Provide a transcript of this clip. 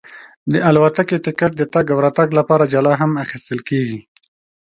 د الوتکې ټکټ د تګ او راتګ لپاره جلا هم اخیستل کېږي.